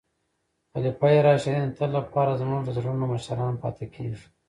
خلفای راشدین د تل لپاره زموږ د زړونو مشران پاتې کیږي.